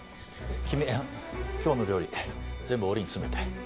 君今日の料理全部折りに詰めて。